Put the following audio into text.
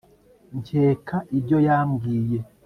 nkeka ibyo yambwiye